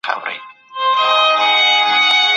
کله بدبیني د خپګان په ژور حالت بدلیږي؟